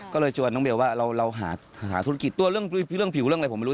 ก็เลยชวนน้องเบลว่าเราหาธุรกิจตัวเรื่องผิวเรื่องอะไรผมไม่รู้